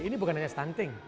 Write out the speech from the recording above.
ini bukan hanya stunting